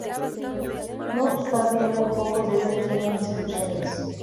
No obstante, muy pocos de ellos tienen inscripciones.